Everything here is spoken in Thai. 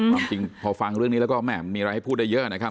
ความจริงพอฟังเรื่องนี้แล้วก็แม่มีอะไรให้พูดได้เยอะนะครับ